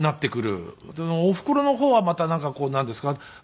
おふくろの方はまたなんかこうなんですか？